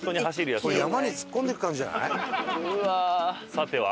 さては？